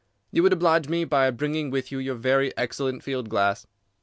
You would oblige me by bringing with you your very excellent field glass."